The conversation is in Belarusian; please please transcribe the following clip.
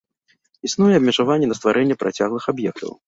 Існуе абмежаванне на стварэнне працяглых аб'ектаў.